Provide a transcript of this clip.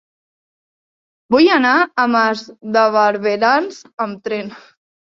Vull anar a Mas de Barberans amb tren.